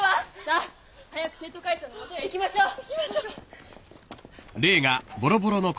さあ早く生徒会長の元へ行きましょう。